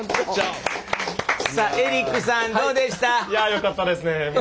いやよかったですね。